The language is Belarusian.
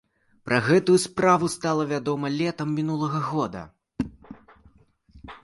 Пра гэтую справу стала вядома летам мінулага года.